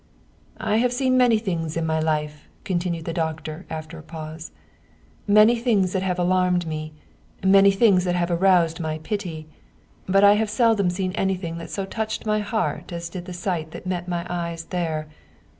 " I have seen many things in my life," continued the doctor, after a pause " many things that have alarmed me,, many things that have aroused my pity ; but I have seldom seen anything that so touched my heart as did the sight that met my eyes there.